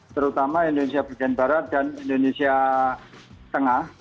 terutama indonesia bagian barat dan indonesia tengah